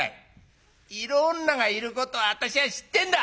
「色女がいることは私は知ってんだ」。